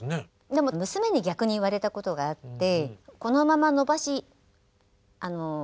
でも娘に逆に言われたことがあって。